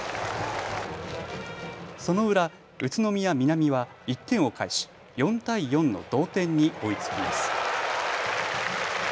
その裏、宇都宮南は１点を返し４対４の同点に追いつきます。